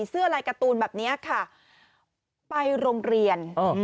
เสื้อลายการ์ตูนแบบนี้ค่ะไปโรงเรียน